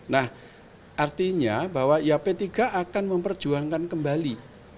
nah artinya bahwa iap tiga akan memperjuangkan kembali